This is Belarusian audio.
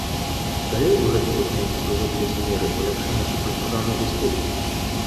Далей у гэтым дакуменце прыводзіліся меры паляпшэння супрацьпажарнай бяспекі.